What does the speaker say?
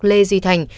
lê duy thành